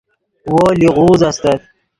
وو لیغوز استت